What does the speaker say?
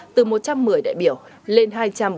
từ một trăm một mươi đại biểu lên hai trăm bốn mươi bốn